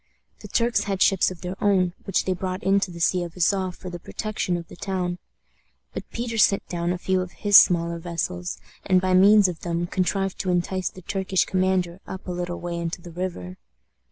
The Turks had ships of their own, which they brought into the Sea of Azof for the protection of the town. But Peter sent down a few of his smaller vessels, and by means of them contrived to entice the Turkish commander up a little way into the river.